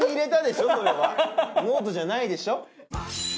ノートじゃないでしょ？